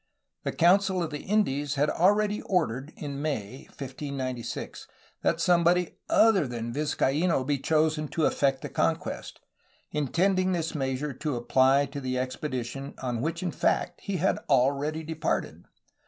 The Council of the Indies had already ordered, in May 1596, that somebody other than Vizcaino be chosen to effect the conquest, intending this measure to apply to the expedi tion on which in fact he had already departed.